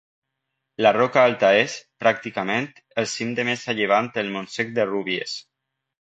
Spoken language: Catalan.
La Roca Alta és, pràcticament, el cim de més a llevant del Montsec de Rúbies.